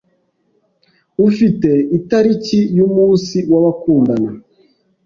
Ufite itariki yumunsi w'abakundana?